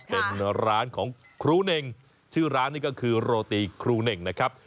เป็นร้านของครูเน่งชื่อร้านนี่ก็คือโรตีครูเน่งนะครับ